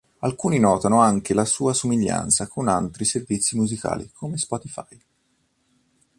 Alcuni notano anche la sua somiglianza con altri servizi musicali come Spotify.